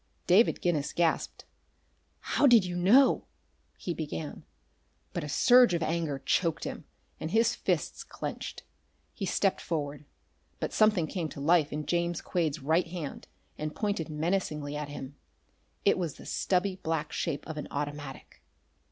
David Guinness gasped. "How did you know ?" he began, but a surge of anger choked him, and his fists clenched. He stepped forward. But something came to life in James Quade's right hand and pointed menacingly at him. It was the stubby black shape of an automatic.